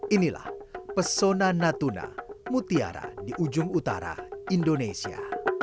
inilah pesona natuna mutiara di ujung utara indonesia